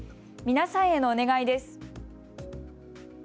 皆さんへのお願いです。